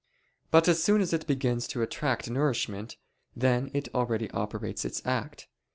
But as soon as it begins to attract nourishment, then it already operates in act.